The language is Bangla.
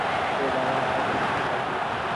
যে তোমাকে ধাওয়া করেছে সে আভীর।